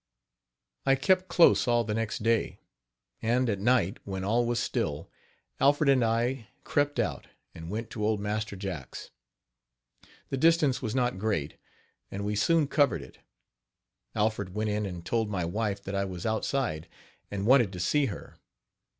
I kept close all the next day; and, at night, when all was still, Alfred and I crept out, and went to old Master Jack's. The distance was not great, and we soon covered it. Alfred went in and told my wife that I was outside and wanted to see her.